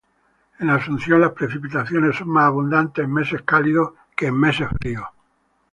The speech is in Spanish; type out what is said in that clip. En Asunción las precipitaciones son más abundantes en meses cálidos que en meses fríos.